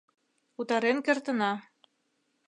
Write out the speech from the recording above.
Утарен кертына.